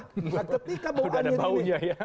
udah ada baunya ya